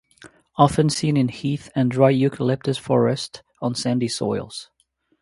Often seen in heath and dry eucalyptus forest on sandy soils.